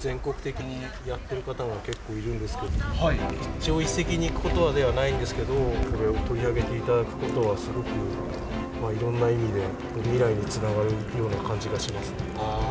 全国的にやっている方は結構いるんですけど、一朝一夕にいくことではないんですけど、これを取り上げていただくことは、すごくいろんな意味で、未来につながるような感じがしますね。